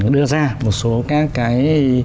đưa ra một số các cái